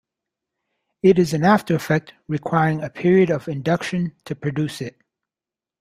It is an aftereffect requiring a period of induction to produce it.